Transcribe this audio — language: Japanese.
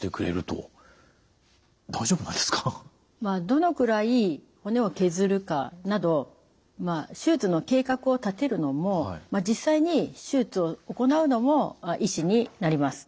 どのくらい骨を削るかなど手術の計画を立てるのも実際に手術を行うのも医師になります。